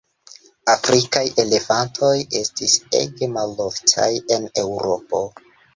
Afrikaj elefantoj estis ege maloftaj en Eŭropo.